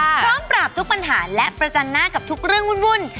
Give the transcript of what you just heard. พร้อมปราบทุกปัญหาและประจันหน้ากับทุกเรื่องวุ่น